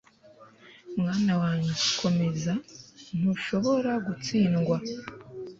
mwana wanjye, komeza! ntushobora gutsindwa